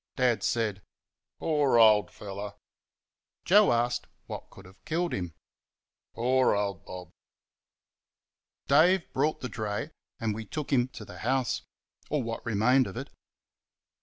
Dad said. "Poor old fellow!" Joe asked what could have killed him? "Poor old Bob!" Dave brought the dray, and we took him to the house or what remained of it.